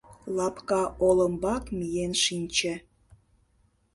Лапка олымбак миен шинче.